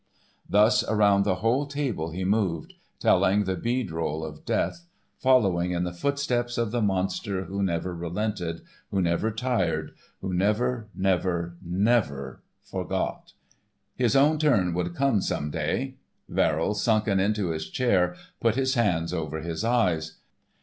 Thus around the whole table he moved, telling the bead roll of death, following in the footsteps of the Monster who never relented, who never tired, who never, never,—never forgot. His own turn would come some day. Verrill, sunken into his chair, put his hands over his eyes.